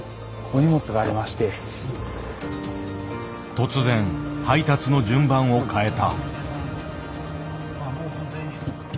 突然配達の順番を変えた。